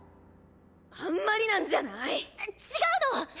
あんまりなんじゃない⁉違うの！